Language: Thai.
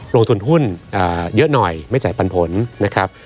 ลงทุนหุ้นเยอะหน่อยไม่จ่ายปันผลนะครับ